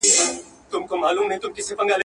همدې ژبي يم تر داره رسولى.